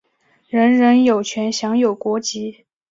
人人有权享有国籍。